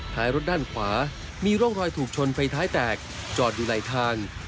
ท้ายรถด้านขวามีร่องรอยถูกชนไฟท้ายแตกจอดอยู่ไหลทาง